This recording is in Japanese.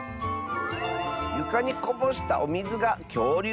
「ゆかにこぼしたおみずがきょうりゅうのかたちみたい！」。